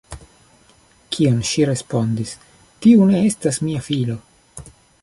Kion ŝi respondis:"Tiu ne estas mia filo!